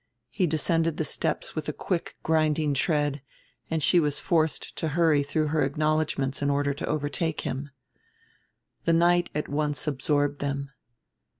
He descended the steps with a quick grinding tread, and she was forced to hurry through her acknowledgments in order to overtake him. The night at once absorbed them.